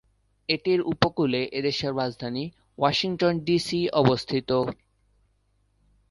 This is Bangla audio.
এটির উপকূলে এদেশের রাজধানী ওয়াশিংটন ডিসি অবস্থিত।